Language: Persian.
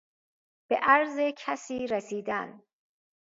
بعرض کسی رسیدن